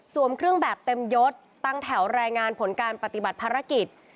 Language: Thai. เครื่องแบบเต็มยศตั้งแถวรายงานผลการปฏิบัติภารกิจ